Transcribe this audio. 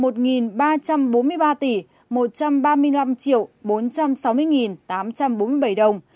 một ba trăm bốn mươi ba tỷ một trăm ba mươi năm bốn trăm sáu mươi tám trăm bốn mươi bảy đồng